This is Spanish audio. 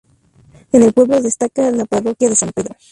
En el pueblo destaca la parroquia de San Pedro.